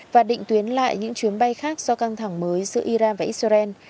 và định tuyến lại những chuyến bay khác do căng thẳng mới giữa iran và israel